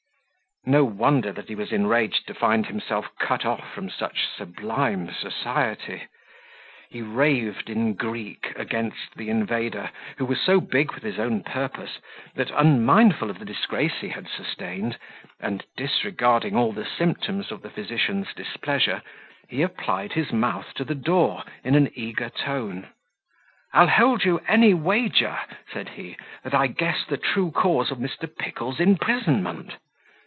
No wonder that he was enraged to find himself cut off from such sublime society. He raved in Greek against the invader, who was so big with his own purpose, that, unmindful of the disgrace he had sustained, and disregarding all the symptoms of the physician's displeasure, he applied his mouth to the door, in an eager tone. "I'll hold you any wager," said he, "that I guess the true cause of Mr. Pickle's imprisonment."